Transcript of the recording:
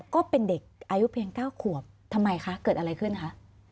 ก็เป็นเด็กอายุเพียง๙ขวบทำไมคะเกิดอะไรขึ้นคะ